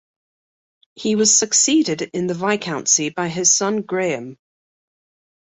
He was succeeded in the viscountcy by his son Graham.